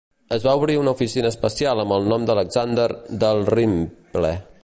Es va obrir una oficina especial amb el nom d'Alexander Dalrymple.